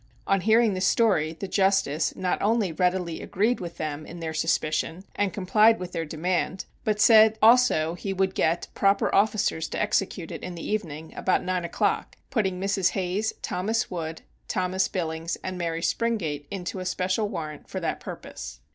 On hearing the story the justice not only readily agreed with them in their suspicions, and complied with their demand, but said also he would get proper officers to execute it in the evening, about nine o'clock, putting Mrs. Hayes, Thomas Wood, Thomas Billings, and Mary Springate into a special warrant for that purpose.